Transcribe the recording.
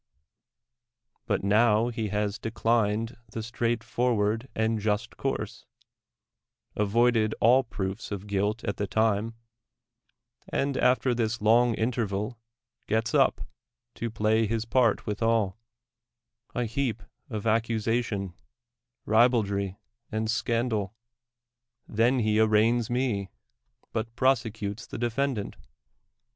iVat now he has declined the straight forward and just course, avoided all proofs of guilt at the time, and after this long interval gets up, to play his part withal, a heap of accu sation, ribaldry and scandal. Then he arraigns me. but prosecutes the defendant.